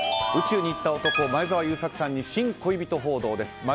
宇宙に行った男前澤友作さんに新恋人報道です。